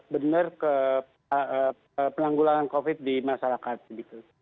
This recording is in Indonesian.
benar ke penanggulangan covid sembilan belas di masyarakat